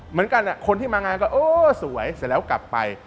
เหมือนกันคนที่มางานก็เออสวยเสร็จแล้วกลับไป